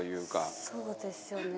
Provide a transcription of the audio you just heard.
そうですよね。